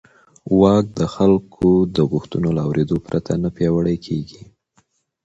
واک د خلکو د غوښتنو له اورېدو پرته نه پیاوړی کېږي.